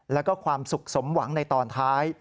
แล้วก็ความสุขสมหวังในตอนท้าย